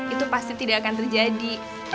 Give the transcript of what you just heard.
itu pasti tidak akan terjadi